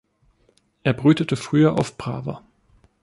Er brütete früher auf Brava.